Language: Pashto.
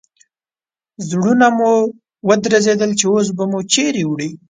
زړونه مو درزېدل چې اوس به مو چیرې وړي.